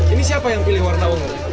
ini siapa yang pilih warna ungu